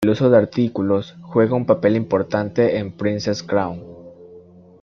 El uso de artículos juega un papel importante en Princess Crown.